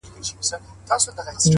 د حلال او د حرام سوچونه مکړه,